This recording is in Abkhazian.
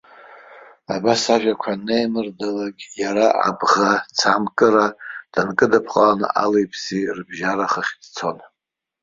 Абас ажәақәа анеимырдалак, иара абӷацамкыра дынкыдыпҟалан, али-ԥси рыбжьара хыхь дцон.